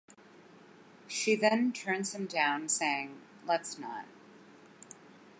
She then turns him down, saying "Let's not".